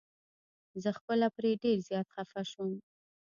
زه خپله پرې ډير زيات خفه شوم.